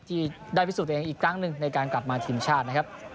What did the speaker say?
ที่ได้พิสูจนตัวเองอีกครั้งหนึ่งในการกลับมาทีมชาตินะครับ